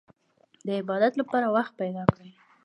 د عبادت لپاره وخت پيدا کړئ.